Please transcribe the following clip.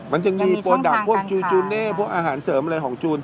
มันยังมีพอดับงานเพิ่มการสอนพวกของจูแล